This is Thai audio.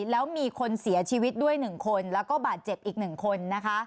แล้วมีคนเสียชีวิตด้วยหนึ่งคนแล้วก็บาดเจ็บอีกหนึ่งคน